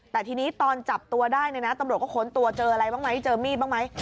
แต่ทีนี้ตอนจับตัวได้เนี่ยนะตำรวจก็ค้นตัวเจออะไรบ้างไหมเจอมีดบ้างไหม